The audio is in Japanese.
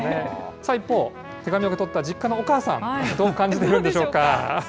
さあ一方、手紙を受け取った実家のお母さん、どう感じているんでしょうか。